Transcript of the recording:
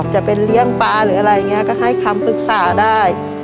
จะเป็นเลี้ยงปลาหรืออะไรอย่างนี้ก็ให้คำปรึกษาได้